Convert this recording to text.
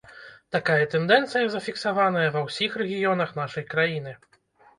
Такая тэндэнцыя зафіксаваная ва ўсіх рэгіёнах нашай краіны.